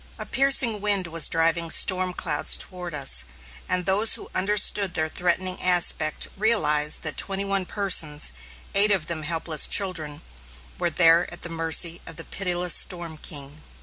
A piercing wind was driving storm clouds toward us, and those who understood their threatening aspect realized that twenty one persons, eight of them helpless children, were there at the mercy of the pitiless storm king.